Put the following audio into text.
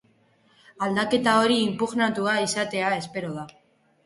Aldaketa hori inpugnatua izatea espero da.